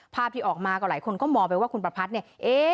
ภาพที่ออกมาก็หลายคนก็มองไปว่าคุณประพัดเนี่ย